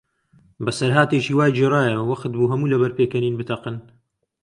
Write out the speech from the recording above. بەسەرهاتێکی وای گێڕایەوە، وەختبوو هەموو لەبەر پێکەنین بتەقن.